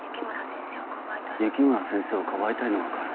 雪村先生を庇いたいのは分かる。